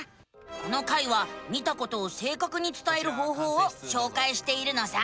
この回は見たことをせいかくにつたえる方法をしょうかいしているのさ。